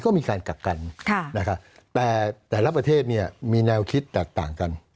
ก็มีการกักกันแต่แต่ละประเทศมีแนวคิดต่างกัน